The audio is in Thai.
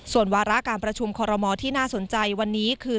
ส่วนวาระการประชุมคอรมอที่น่าสนใจวันนี้คือ